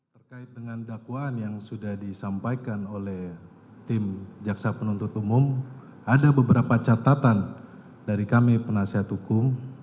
terkait dengan dakwaan yang sudah disampaikan oleh tim jaksa penuntut umum ada beberapa catatan dari kami penasihat hukum